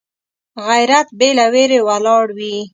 غیرت بې له ویرې ولاړ وي